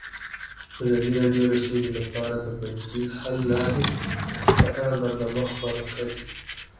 ازادي راډیو د سوله لپاره د بدیل حل لارې په اړه برنامه خپاره کړې.